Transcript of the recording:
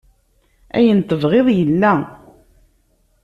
Ayen tebɣiḍ yella.